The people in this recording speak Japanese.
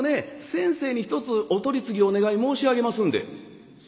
先生にひとつお取り次ぎお願い申し上げますんで」。